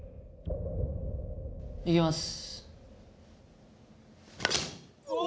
いきます。